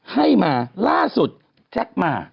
ให้มาล่าสุดแจ็คมา